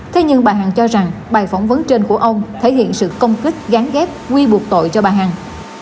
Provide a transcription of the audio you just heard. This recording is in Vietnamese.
thế nhưng bà hằng cho rằng bài phỏng vấn trên của ông thể hiện sự công kích gắn ghép quy buộc tội cho bà hằng